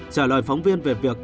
trả lời phóng viên về việc